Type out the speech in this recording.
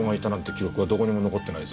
記録はどこにも残ってないぞ。